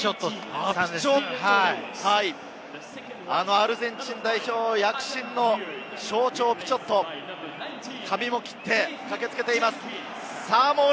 アルゼンチン代表、躍進の象徴・ピチョット、髪も切って駆けつけています。